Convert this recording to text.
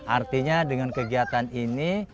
artinya dengan kegiatan ini